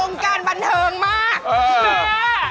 การบันเทิงมาก